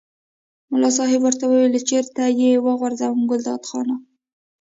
ملا صاحب ورته وویل چېرته یې وغورځوم ګلداد خانه.